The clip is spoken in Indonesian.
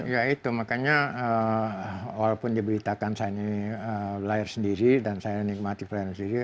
ya itu makanya walaupun diberitakan saya ini layar sendiri dan saya nikmati pelayanan sendiri